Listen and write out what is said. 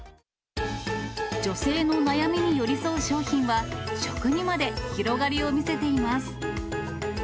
女性の悩みに寄り添う商品は、食にまで広がりを見せています。